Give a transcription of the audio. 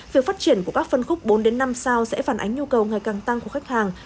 việc phát triển của các phân khúc bốn năm sao sẽ phản ánh nhu cầu ngày càng tăng của khách hàng